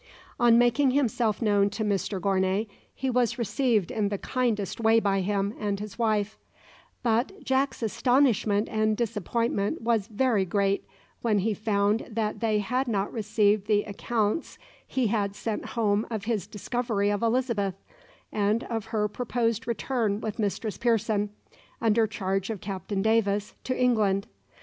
On making himself known to Mr Gournay, he was received in the kindest way by him and his wife; but Jack's astonishment and disappointment was very great when he found that they had not received the accounts he had sent home of his discovery of Elizabeth, and of her proposed return with Mistress Pearson, under charge of Captain Davis, to England.